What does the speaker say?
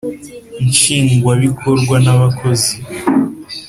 Nshingwabikorwa n abakozi